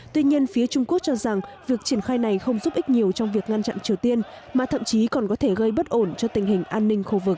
tuy nhiên phía trung quốc cho rằng việc triển khai này không giúp ích nhiều trong việc ngăn chặn triều tiên mà thậm chí còn có thể gây bất ổn cho tình hình an ninh khu vực